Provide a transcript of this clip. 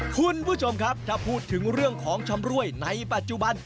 คุณผู้ชมครับถ้าพูดถึงเรื่องของชำรวยในปัจจุบัน